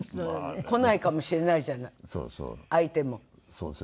来ないかもしれないじゃない相手も。